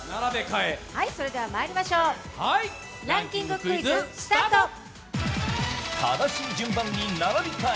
それでは、まいりましょう「ランキングクイズ」スタート。